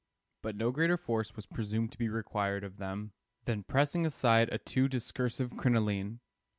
But no greater force was presumed to be required of them than pressing aside a too discursive crinoline.